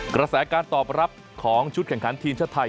กระแสการตอบรับของชุดแข่งขันทีมชาติไทย